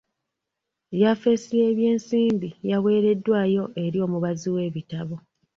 Yafesi y'eby'ensimbi yaweereddwayo eri omubazi w'ebitabo.